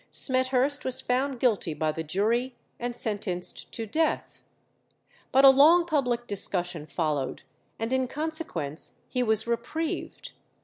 Smethurst was found guilty by the jury, and sentenced to death. But a long public discussion followed, and in consequence he was reprieved.